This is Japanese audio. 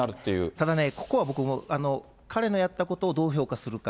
ただね、ここは僕、彼のやったことをどう評価するか。